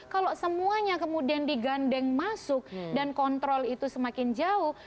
kalau semuanya kemudian digandeng masuk dan kontrol itu semakin jauh